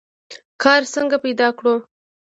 کار څنګه پیدا کړو؟